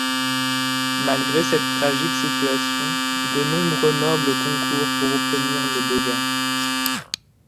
Malgré cette tragique situation, de nombreux nobles concourent pour obtenir le dogat.